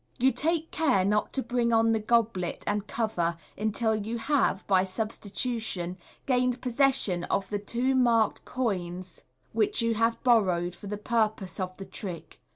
You take care not to bring on the goblet and cover until you have, by substitution, gained possession of the two marked coins which you have borrowed for the purpose of the trick.